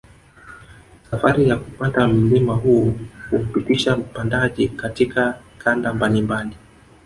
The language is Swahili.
Safari ya kupanda mlima huu humpitisha mpandaji katika kanda mbalimbali